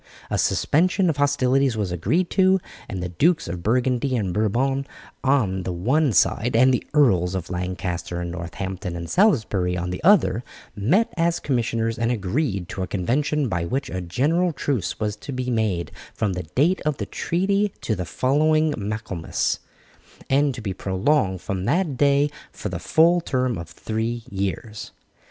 A suspension of hostilities was agreed to, and the Dukes of Burgundy and Bourbon on the one side and the Earls of Lancaster, Northampton, and Salisbury on the other, met as commissioners and agreed to a convention by which a general truce was to be made from the date of the treaty to the following Michaelmas, and to be prolonged from that day for the full term of three years.